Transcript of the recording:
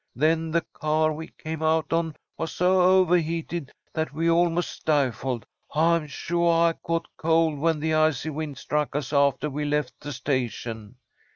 Then the car we came out on was so ovah heated that we almost stifled. I'm suah I caught cold when the icy wind struck us aftah we left the station."